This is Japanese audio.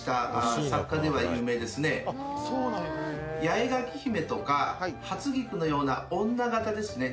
「八重垣姫とか初菊のような女形ですね」